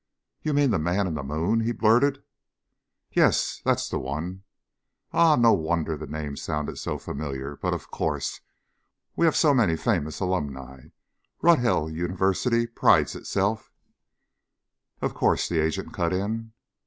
"You mean the man in the moon?" he blurted. "Yes, that's the one." "Ah, no wonder the name sounded so familiar. But, of course, we have so many famous alumni. Ruthill University prides itself " "Of course," the agent cut in.